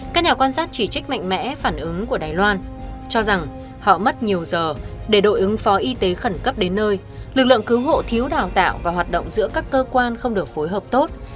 các nhà quan sát chỉ trích mạnh mẽ phản ứng của đài loan cho rằng họ mất nhiều giờ để đội ứng phó y tế khẩn cấp đến nơi lực lượng cứu hộ thiếu đào tạo và hoạt động giữa các cơ quan không được phối hợp tốt